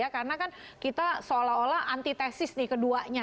kita seolah olah antitesis nih keduanya